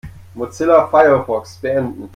Mozilla Firefox beenden.